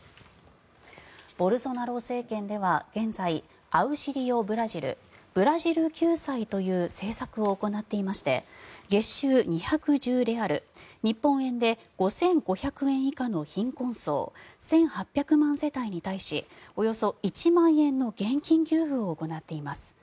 ボルソナロ政権では現在アウシリオ・ブラジルブラジル救済という政策を行っていまして月収２１０レアル日本円で５５００円以下の貧困層１８００万世帯に対しおよそ１万円の現金給付を行っています。